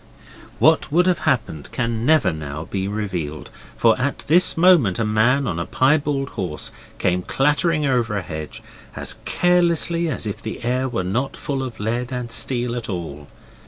What would have happened can never now be revealed. For at this moment a man on a piebald horse came clattering over a hedge as carelessly as if the air was not full of lead and steel at all.